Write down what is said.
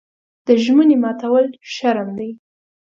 د ژمنې ماتول شرم دی.